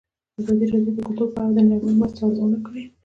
ازادي راډیو د کلتور په اړه د نړیوالو مرستو ارزونه کړې.